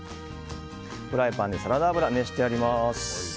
フライパンにサラダ油熱してあります。